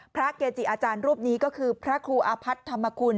พระเกจิอาจารย์รูปนี้ก็คือพระครูอาพัฒน์ธรรมคุณ